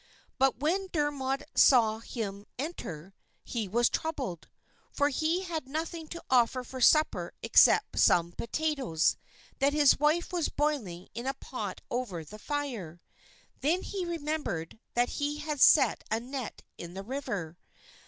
But when Dermod saw him enter, he was troubled, for he had nothing to offer for supper except some potatoes that his wife was boiling in a pot over the fire. Then he remembered that he had set a net in the river.